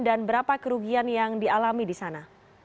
berapa kerugian yang dialami di sana